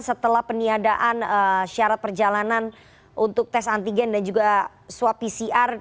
setelah peniadaan syarat perjalanan untuk tes antigen dan juga swab pcr